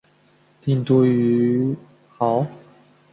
定都于亳。